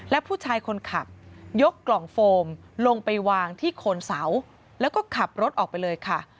และผู้ชายคนขับยกกล่องโฟมลงไปวางที่โคนเสาแล้วก็ขับรถออกไปเลยค่ะ